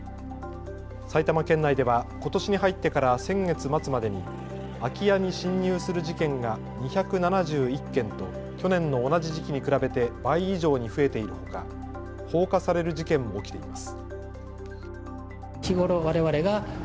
埼玉県内ではことしに入ってから先月末までに空き家に侵入する事件が２７１件と去年の同じ時期に比べて倍以上に増えているほか放火される事件も起きています。